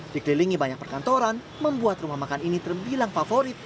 dikelilingi banyak perkantoran membuat rumah makan ini terbilang favorit